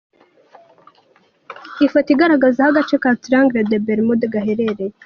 Ifoto igaragaza aho agace ka Triangle des Bermude gaherereye.